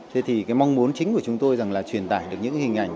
thế thì cái mong muốn chính của chúng tôi rằng là truyền tải được những hình ảnh